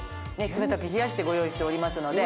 冷たく冷やしてご用意しておりますので。